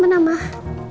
mama cuma capekan aja